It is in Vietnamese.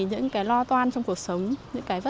giúp các em học sinh đi thi